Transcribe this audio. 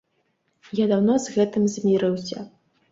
Я даўно з гэтым замірыўся.